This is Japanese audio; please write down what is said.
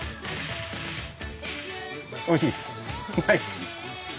おいしいです！